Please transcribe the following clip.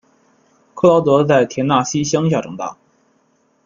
克劳德在田纳西乡下长大。